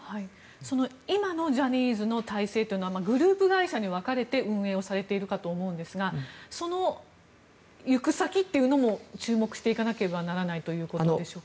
その今のジャニーズの体制というのはグループ会社に分かれて運営されているかと思うんですがその行く先というのも注目していかなければならないということでしょうか。